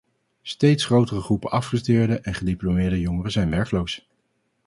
Steeds grotere groepen afgestudeerde en gediplomeerde jongeren zijn werkloos.